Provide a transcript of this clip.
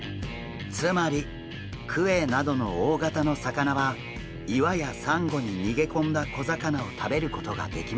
つまりクエなどの大型の魚は岩やサンゴに逃げ込んだ小魚を食べることができません。